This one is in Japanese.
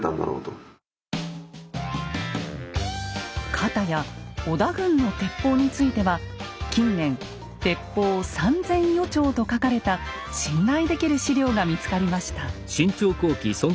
片や織田軍の鉄砲については近年「鉄砲三千余丁」と書かれた信頼できる史料が見つかりました。